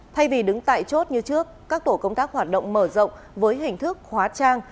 thay vì đứng tại chốt như trước các tổ công tác hoạt động mở rộng với hình thức hóa trang